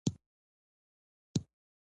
لښتې په خپلو شنه سترګو اسمان ته وکتل.